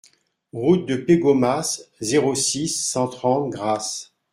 Route de Pégomas, zéro six, cent trente Grasse